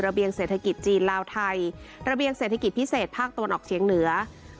เบียงเศรษฐกิจจีนลาวไทยระเบียงเศรษฐกิจพิเศษภาคตะวันออกเฉียงเหนือ